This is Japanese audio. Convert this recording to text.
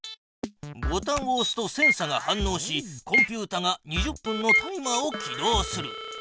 ボタンをおすとセンサが反のうしコンピュータが２０分のタイマーを起動する。